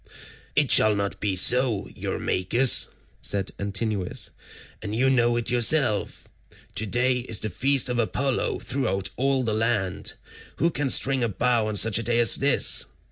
"It shall not be so, Eurymachus," said Antinous, "and you know it yourself. Today is the feast of Apollo throughout all the land; who can string a bow on such a day as this?